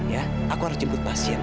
ya aku harus jemput pasien